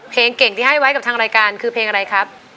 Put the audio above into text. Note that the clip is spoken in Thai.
เพลงเก่งที่ให้ไว้กับทางรายการคือเพลงอะไรครับ